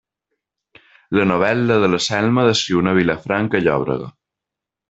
La novel·la de la Selma descriu una Vilafranca llòbrega.